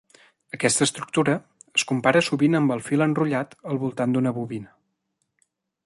Aquesta estructura es compara sovint amb el fil enrotllat al voltant d'una bobina.